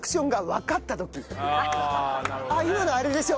そのあっ今のあれでしょ！